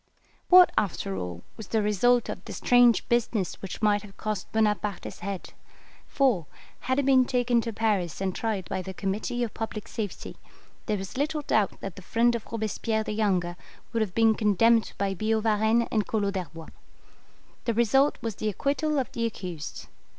"What, after all, was the result of this strange business which might have cost Bonaparte his head? for, had he been taken to Paris and tried by the Committee of Public Safety, there is little doubt that the friend of Robespierre the younger would have been condemned by Billaud Varennes and Collot d'Herbois. The result was the acquittal of the accused.